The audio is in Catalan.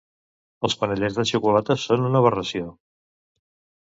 Els panellets de xocolata són una aberració.